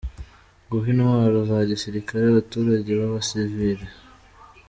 Guha intwaro za gisirikare abaturage b’abasivile.